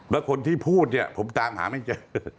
แล้วคนที่พูดเนี่ยผมตามหาไม่เจอ